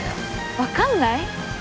わかんない？